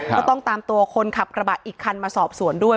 ก็ต้องตามตัวคนขับกระบะอีกคันมาสอบสวนด้วย